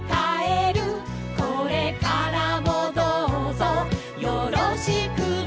「これからもどうぞよろしくね」